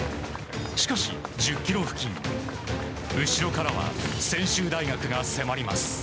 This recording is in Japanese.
しかし、１０ｋｍ付近後ろからは専修大学が迫ります。